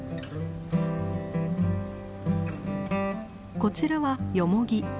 こちらはヨモギ。